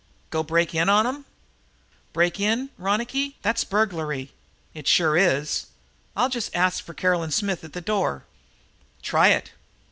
"Go break in on 'em?" "Break in! Ronicky, that's burglary!" "Sure it is." "Ill just ask for Caroline Smith at the door." "Try it."